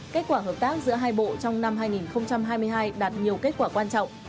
kết quả hợp tác giữa hai bộ trong năm hai nghìn hai mươi hai đạt nhiều kết quả quan trọng